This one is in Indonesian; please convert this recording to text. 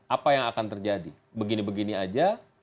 apa yang akan terjadi begini begini aja